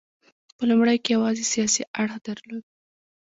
په لومړیو کې یوازې سیاسي اړخ درلود